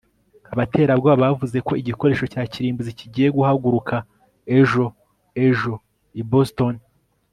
Abaterabwoba bavuze ko igikoresho cya kirimbuzi kigiye guhaguruka ejo ejo i Boston